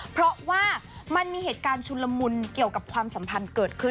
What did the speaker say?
เพราะว่ามันมีเหตุการณ์ชุนละมุนเกี่ยวกับความสัมพันธ์เกิดขึ้น